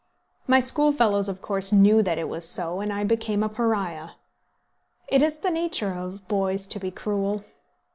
My schoolfellows of course knew that it was so, and I became a Pariah. It is the nature of boys to be cruel.